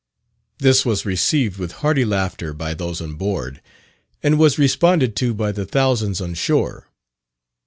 This was received with hearty laughter by those on board, and was responded to by the thousands on shore.